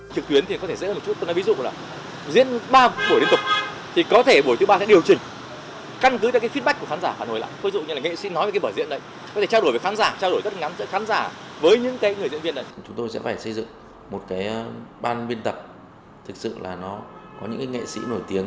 chúng tôi sẽ phải xây dựng một cái ban biên tập thực sự là nó có những nghệ sĩ nổi tiếng